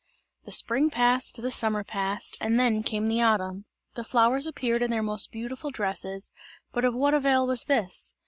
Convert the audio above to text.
The spring passed, the summer passed, and then came the autumn. The flowers appeared in their most beautiful dresses, but of what avail was this?